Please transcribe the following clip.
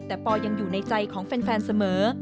แต่ปอยังอยู่ในใจของแฟนเสมอ